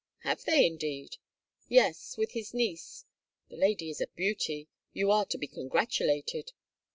"Have they indeed?" "Yes, with his niece. The lady is a beauty. You are to be congratulated!"